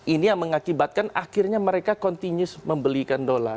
ini yang mengakibatkan akhirnya mereka kontinus membelikan dollar